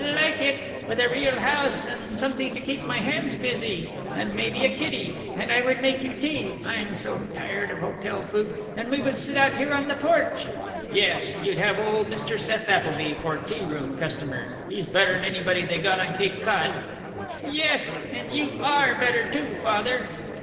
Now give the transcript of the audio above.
"Like it! With a real house and something to keep my hands busy! And maybe a kitty! And I would make you tea (I'm so tired of hotel food!) and we would sit out here on the porch " "Yes, you'd have old Mr. Seth Appleby for tea room customer. He's better 'n anybody they got on Cape Cod!" "Yes, and you are better, too, Father!"